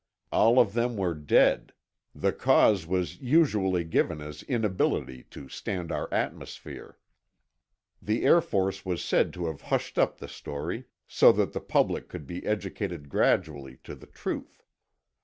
All of them were dead; the cause was usually given as inability to stand our atmosphere. The Air Force was said to have hushed up the story, so that the public could be educated gradually to the truth.